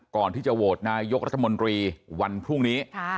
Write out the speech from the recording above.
ก่อนที่จะโหวตนายกรัฐมนตรีวันพรุ่งนี้